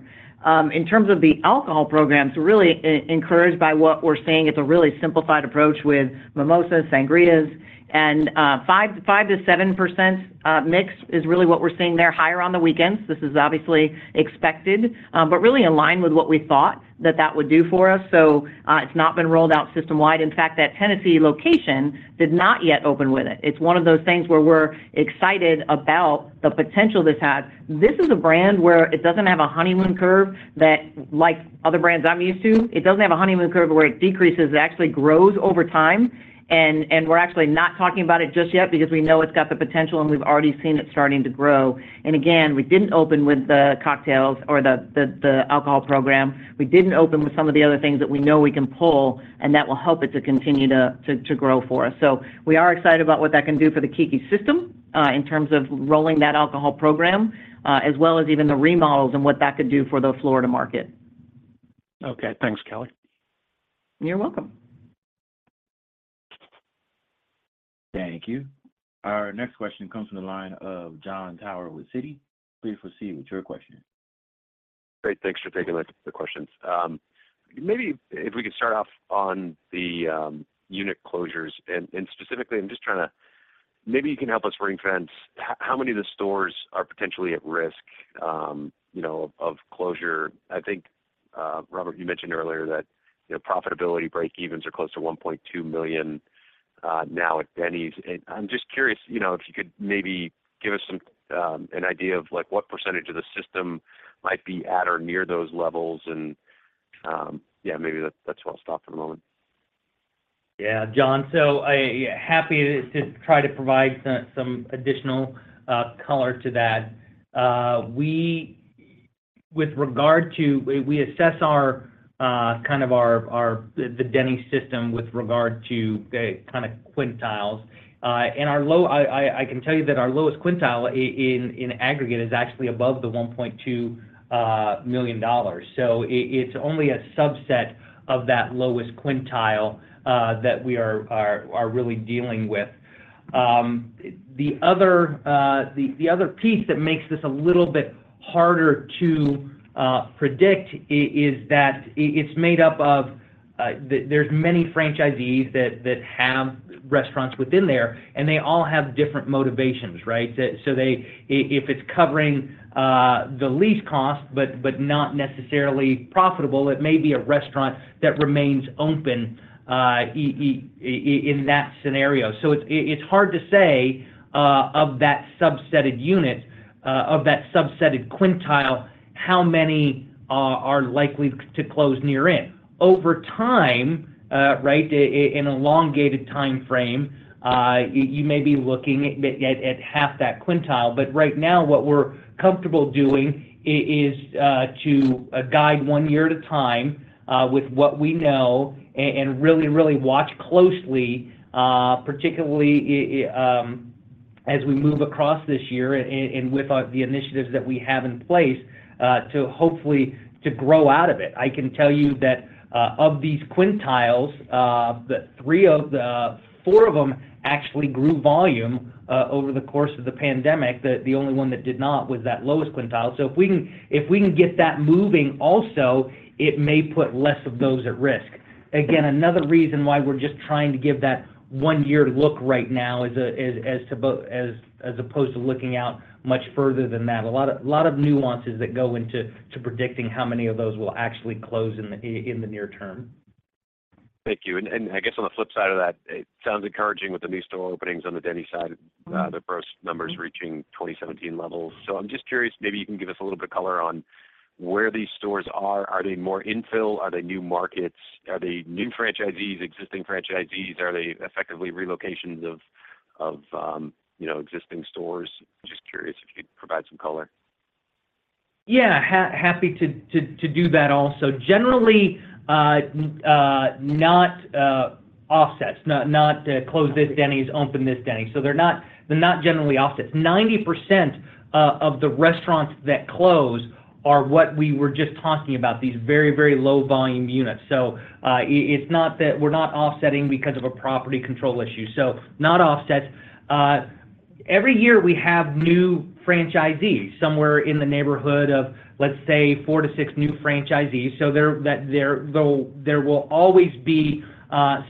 In terms of the alcohol programs, we're really encouraged by what we're seeing. It's a really simplified approach with mimosas, sangrias, and 5%-7% mix is really what we're seeing there. Higher on the weekends. This is obviously expected, but really in line with what we thought that that would do for us. So it's not been rolled out system-wide. In fact, that Tennessee location did not yet open with it. It's one of those things where we're excited about the potential this has. This is a brand where it doesn't have a honeymoon curve that, like other brands I'm used to, it doesn't have a honeymoon curve where it decreases. It actually grows over time, and we're actually not talking about it just yet because we know it's got the potential, and we've already seen it starting to grow. And again, we didn't open with the cocktails or the alcohol program. We didn't open with some of the other things that we know we can pull, and that will help it to continue to grow for us. So we are excited about what that can do for the Keke's system in terms of rolling that alcohol program, as well as even the remodels and what that could do for the Florida market. Okay. Thanks, Kelli. You're welcome. Thank you. Our next question comes from the line of Jon Tower with Citi. Please proceed with your question. Great. Thanks for taking my questions. Maybe if we could start off on the unit closures, and specifically, I'm just trying to... Maybe you can help us ring-fence how many of the stores are potentially at risk, you know, of closure? I think, Robert, you mentioned earlier that, you know, profitability breakevens are close to $1.2 million now at Denny's. I'm just curious, you know, if you could maybe give us some an idea of like what percentage of the system might be at or near those levels and, yeah, maybe that's where I'll stop for the moment. Yeah, Jon. So I'm happy to try to provide some additional color to that. We assess our Denny's system with regard to the kind of quintiles. I can tell you that our lowest quintile in aggregate is actually above the $1.2 million. So it's only a subset of that lowest quintile that we are really dealing with. The other piece that makes this a little bit harder to predict is that it's made up of the-- There's many franchisees that have restaurants within there, and they all have different motivations, right? So if it's covering the lease cost but not necessarily profitable, it may be a restaurant that remains open in that scenario. So it's hard to say of that subset of units, of that subset of quintile, how many are likely to close near-term. Over time, in an elongated timeframe, you may be looking at half that quintile. But right now, what we're comfortable doing is to guide one year at a time, with what we know and really watch closely, particularly as we move across this year and with the initiatives that we have in place, to hopefully grow out of it. I can tell you that, of these quintiles, the four of them actually grew volume over the course of the pandemic. The only one that did not was that lowest quintile. So if we can get that moving also, it may put less of those at risk. Again, another reason why we're just trying to give that one-year look right now is, as opposed to looking out much further than that. A lot of nuances that go into predicting how many of those will actually close in the near term. Thank you. And I guess on the flip side of that, it sounds encouraging with the new store openings on the Denny's side The first numbers reaching 2017 levels. So I'm just curious, maybe you can give us a little bit of color on where these stores are. Are they more infill? Are they new markets? Are they new franchisees, existing franchisees? Are they effectively relocations of, you know, existing stores? Just curious if you could provide some color. Yeah, happy to do that also. Generally, not offsets, not close this Denny's, open this Denny's. So they're not generally offsets. 90% of the restaurants that close are what we were just talking about, these very, very low volume units. So, it's not that we're not offsetting because of a property control issue, so not offsets. Every year we have new franchisees, somewhere in the neighborhood of, let's say, 4-6 new franchisees, so there, that there, though, there will always be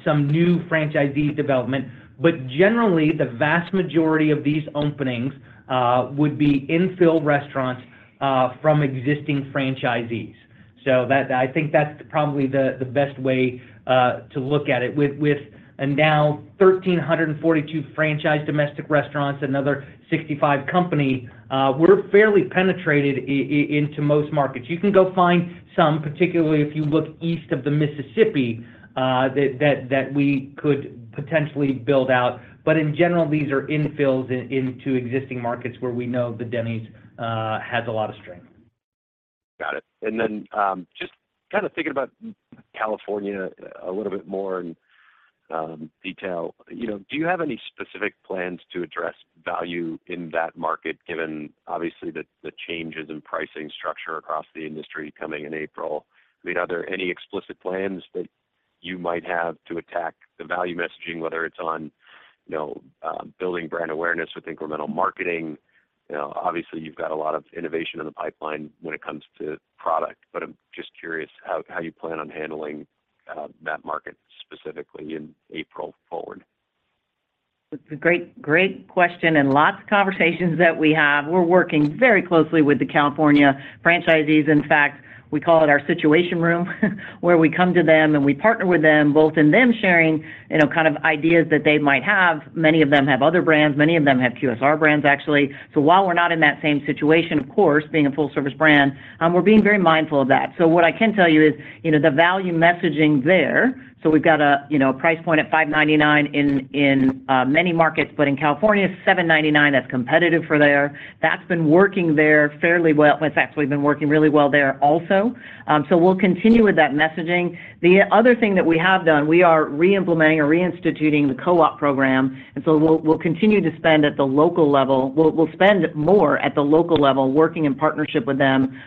some new franchisee development. But generally, the vast majority of these openings would be infill restaurants from existing franchisees. So that, I think that's probably the best way to look at it. With and now 1,342 franchise domestic restaurants, another 65 company, we're fairly penetrated into most markets. You can go find some, particularly if you look east of the Mississippi, that we could potentially build out. But in general, these are infills into existing markets where we know the Denny's has a lot of strength. Got it. And then, just kind of thinking about California a little bit more in detail. You know, do you have any specific plans to address value in that market, given obviously the changes in pricing structure across the industry coming in April? I mean, are there any explicit plans that you might have to attack the value messaging, whether it's on, you know, building brand awareness with incremental marketing? You know, obviously, you've got a lot of innovation in the pipeline when it comes to product, but I'm just curious how you plan on handling that market specifically in April forward. It's a great, great question, and lots of conversations that we have. We're working very closely with the California franchisees. In fact, we call it our situation room, where we come to them, and we partner with them, both in them sharing, you know, kind of ideas that they might have. Many of them have other brands, many of them have QSR brands, actually. So while we're not in that same situation, of course, being a full-service brand, we're being very mindful of that. So what I can tell you is, you know, the value messaging there, so we've got a, you know, price point at $5.99 in many markets, but in California, $7.99, that's competitive for there. That's been working there fairly well. It's actually been working really well there also. So we'll continue with that messaging. The other thing that we have done, we are re-implementing or reinstituting the co-op program, and so we'll continue to spend at the local level. We'll spend more at the local level, working in partnership with them.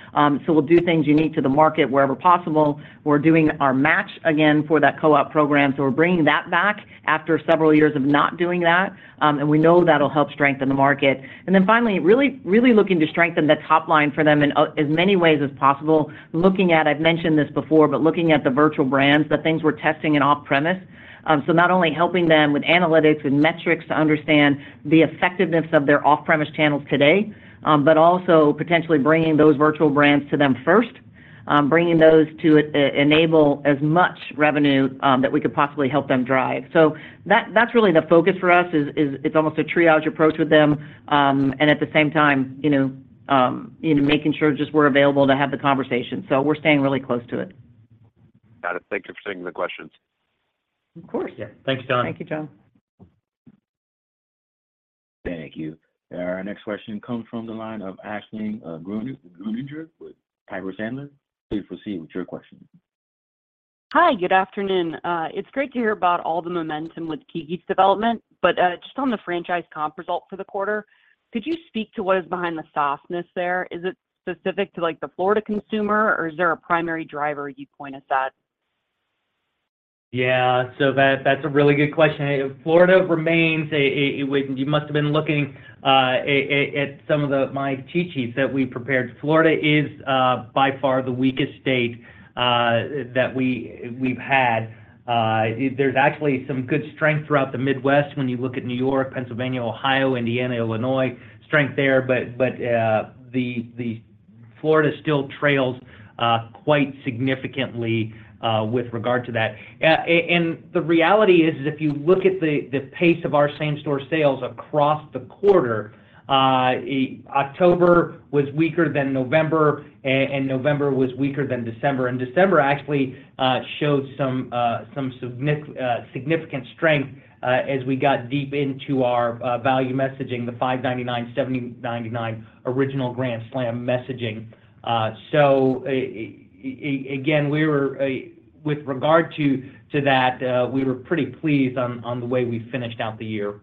So we'll do things unique to the market wherever possible. We're doing our match again for that co-op program, so we're bringing that back after several years of not doing that. And we know that'll help strengthen the market. And then finally, really, really looking to strengthen the top line for them in as many ways as possible. Looking at, I've mentioned this before, but looking at the virtual brands, the things we're testing in off-premise. So not only helping them with analytics, with metrics to understand the effectiveness of their off-premise channels today, but also potentially bringing those virtual brands to them first, bringing those to enable as much revenue that we could possibly help them drive. So that's really the focus for us; it's almost a triage approach with them, and at the same time, you know, you know, making sure just we're available to have the conversation. So we're staying really close to it. Got it. Thank you for taking the questions. Of course. Yeah. Thanks, Jon. Thank you, Jon. Thank you. Our next question comes from the line of Brian Mullan, with Piper Sandler. Please proceed with your question. Hi, good afternoon. It's great to hear about all the momentum with Keke's development, but, just on the franchise comp result for the quarter, could you speak to what is behind the softness there? Is it specific to, like, the Florida consumer, or is there a primary driver you'd point us at? Yeah. So that's a really good question. Florida remains a-- You must have been looking at some of the my cheat sheets that we prepared. Florida is by far the weakest state that we've had. There's actually some good strength throughout the Midwest when you look at New York, Pennsylvania, Ohio, Indiana, Illinois, strength there, but Florida still trails quite significantly with regard to that. And the reality is if you look at the pace of our same store sales across the quarter, October was weaker than November, and November was weaker than December, and December actually showed some significant strength as we got deep into our value messaging, the $5.99, $7.99 Original Grand Slam messaging. So, again, with regard to that, we were pretty pleased on the way we finished out the year.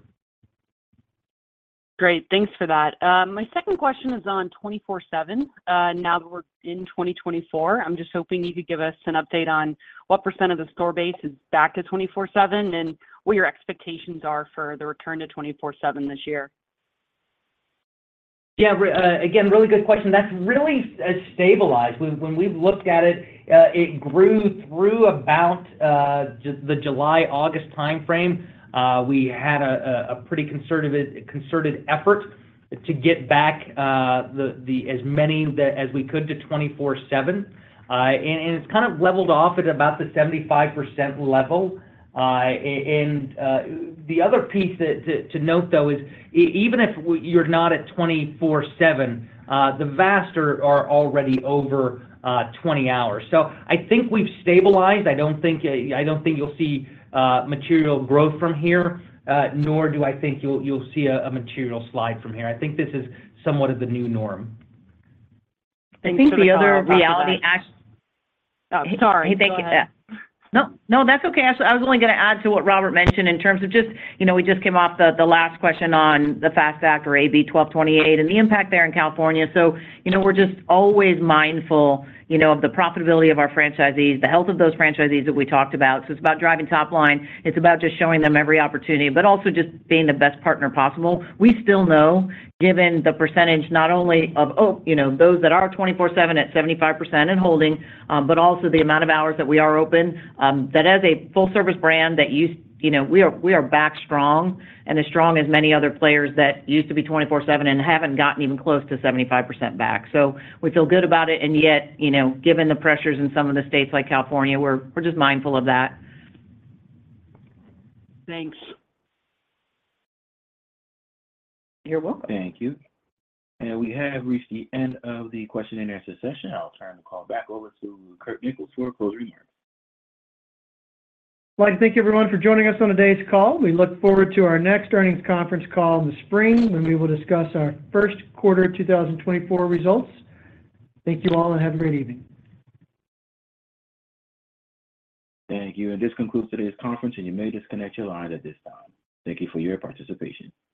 Great, thanks for that. My second question is on 24/7. Now that we're in 2024, I'm just hoping you could give us an update on what % of the store base is back to 24/7 and what your expectations are for the return to 24/7 this year? Yeah, again, really good question. That's really stabilized. When we've looked at it, it grew through about just the July-August time frame. We had a pretty conservative, concerted effort to get back as many as we could to 24/7. And it's kind of leveled off at about the 75% level. And the other piece to note, though, is even if you're not at 24/7, the vast are already over 20 hours. So I think we've stabilized. I don't think you'll see material growth from here, nor do I think you'll see a material slide from here. I think this is somewhat of the new norm. Thanks for the- I think the other reality. Oh, sorry. Thank you. No, no, that's okay. I was only gonna add to what Robert mentioned in terms of just, you know, we just came off the last question on the FAST Act or AB 1228 and the impact there in California. So, you know, we're just always mindful, you know, of the profitability of our franchisees, the health of those franchisees that we talked about. So it's about driving top line. It's about just showing them every opportunity, but also just being the best partner possible. We still know, given the percentage not only of, oh, you know, those that are 24/7 at 75% and holding, but also the amount of hours that we are open, that as a full-service brand, that you know, we are back strong and as strong as many other players that used to be 24/7 and haven't gotten even close to 75% back. So we feel good about it, and yet, you know, given the pressures in some of the states like California, we're just mindful of that. Thanks. You're welcome. Thank you. We have reached the end of the question and answer session. I'll turn the call back over to Curt Nichols for closing remarks. I'd like to thank everyone for joining us on today's call. We look forward to our next earnings conference call in the spring, when we will discuss our first quarter of 2024 results. Thank you all, and have a great evening. Thank you, and this concludes today's conference, and you may disconnect your lines at this time. Thank you for your participation.